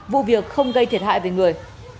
vụ việc không gây thiệt hại về người